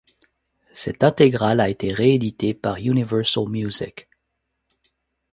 Cette intégrale a été rééditée par Universal Music.